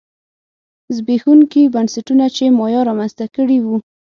زبېښونکي بنسټونه چې مایا رامنځته کړي وو